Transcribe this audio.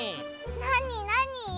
なになに？